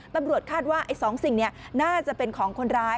ตำรวจคาดว่าไอ้๒สิ่งน่าจะเป็นของคนร้าย